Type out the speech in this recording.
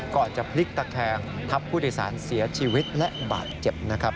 ก่อนจะพลิกตะแคงทัพผู้โดยสารเสียชีวิตและบาดเจ็บ